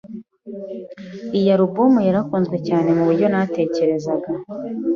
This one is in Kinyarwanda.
iyi alubumu yarakunzwe cyane mu buryo ntatekerezaga.